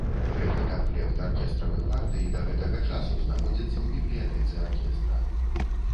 Гэты камплект аркестравых партый да гэтага часу знаходзіцца ў бібліятэцы аркестра.